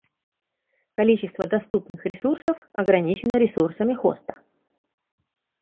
Количество доступных ресурсов ограничено ресурсами хоста